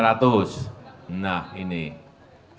rp tiga lima ratus nah ini rp tiga lima ratus